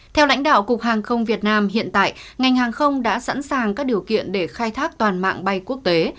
theo lãnh đạo cục hàng không việt nam hiện tại ngành hàng không đã sẵn sàng các điều kiện để khai thác toàn mạng bay quốc tế